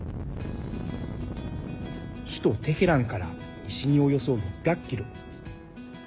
首都テヘランから西におよそ６００ｋｍ。